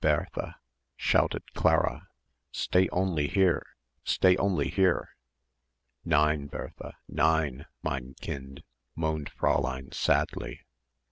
Ber_tha_!" shouted Clara. "Stay only here! Stay only here!" "Nein, Bertha, nein, mein kind," moaned Fräulein sadly.